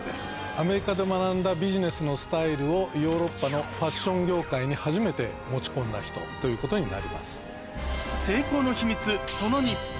アメリカで学んだビジネスのスタイルをヨーロッパのファッション業界に初めて持ち込んだ人ということになります。